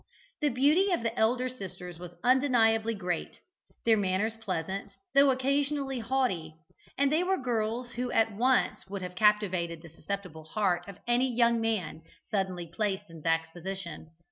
The beauty of the elder sisters was undeniably great; their manners pleasant, though occasionally haughty; and they were girls who would at once have captivated the susceptible heart of any young man suddenly placed in Zac's position.